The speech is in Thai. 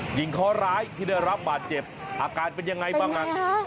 หญิงข้อร้ายที่ได้รับบาดเจ็บอาการเป็นยังไงบ้างเป็นไงฮะ